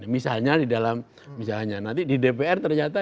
misalnya di dalam misalnya nanti di dpr ternyata